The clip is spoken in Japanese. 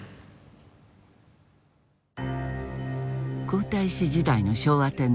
皇太子時代の昭和天皇。